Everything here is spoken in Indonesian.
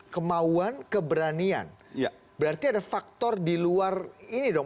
kemauan keberanian berarti ada faktor di luar ini dong